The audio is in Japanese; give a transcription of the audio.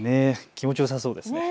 気持ちよさそうですね。